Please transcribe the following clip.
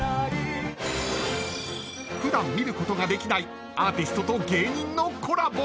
［普段見ることができないアーティストと芸人のコラボ］